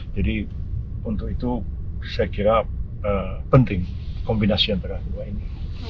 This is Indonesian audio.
jadi untuk itu saya kira penting kombinasi antara dua ini